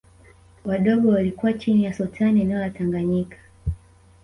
Wadogo walikuwa chini ya Sultani eneo la Tanganyika